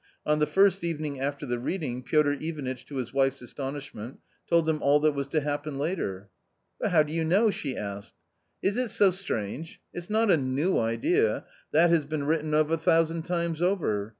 On the first evening after the reading, Piotr Ivanitch, to his wife's astonishment, told them all that was to happen later. " But how do you know?" she asked. "Is it so strange ! It's not a new idea — that has been written of a thousand times over.